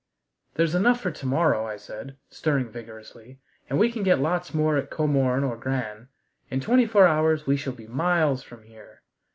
"There's enough for to morrow," I said, stirring vigorously, "and we can get lots more at Komorn or Gran. In twenty four hours we shall be miles from here."